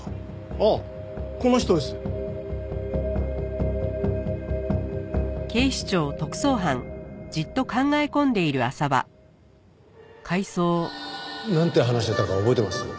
ああこの人です。なんて話してたか覚えてます？